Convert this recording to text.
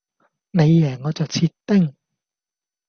你贏我就切丁